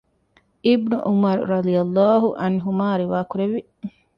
އިބްނު ޢުމަރު ރަޟިއަ ﷲ ޢަންހުމާ ރިވާ ކުރެއްވި